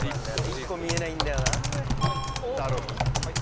１個見えないんだよな。